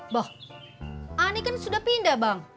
bawah ani kan sudah pindah bang